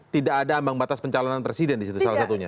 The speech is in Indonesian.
tidak ada ambang batas pencalonan presiden di situ salah satunya